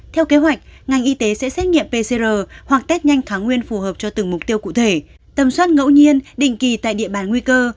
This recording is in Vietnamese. theo kế hoạch ngành y tế sẽ xét nghiệm pcr hoặc test nhanh thoáng nguyên phù hợp cho từng mục tiêu cụ thể tầm soát ngẫu nhiên định kỳ tại địa bàn nguy cơ